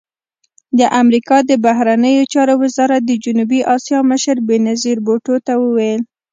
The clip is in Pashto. د امریکا د بهرنیو چارو وزارت د جنوبي اسیا مشر بېنظیر بوټو ته وویل